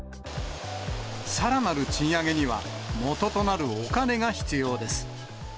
さらなる賃上げには、もととなるお金が必要です。